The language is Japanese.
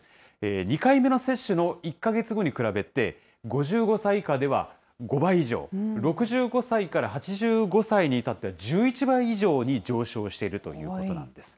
２回目の接種の１か月後に比べて、５５歳以下では５倍以上、６５歳から８５歳に至っては１１倍以上に上昇しているということなんです。